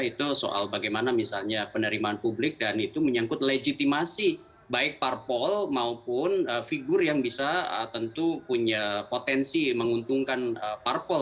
itu soal bagaimana misalnya penerimaan publik dan itu menyangkut legitimasi baik parpol maupun figur yang bisa tentu punya potensi menguntungkan parpol